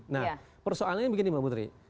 nah persoalannya begini mbak putri